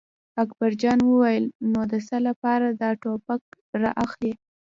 اکبر جان وویل: نو د څه لپاره دا ټوپک را اخلې.